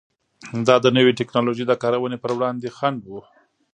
دا د نوې ټکنالوژۍ د کارونې پر وړاندې خنډ و.